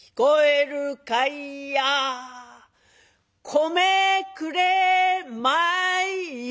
「米くれまいや！」。